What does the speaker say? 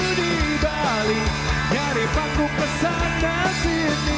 sedikit bikin sakit hati